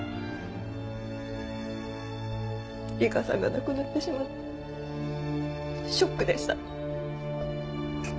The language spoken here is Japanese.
理香さんが亡くなってしまってショックでした。